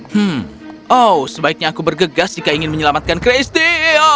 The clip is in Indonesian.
hmm oh sebaiknya aku bergegas jika ingin menyelamatkan christie